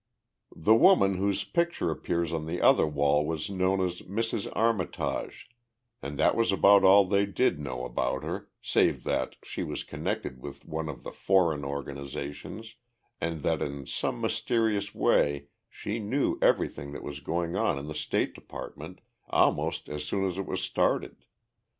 "The woman whose picture appears on the other wall was known as Mrs. Armitage and that was about all that they did know about her, save that she was connected with one of the foreign organizations and that in some mysterious way she knew everything that was going on in the State Department almost as soon as it was started.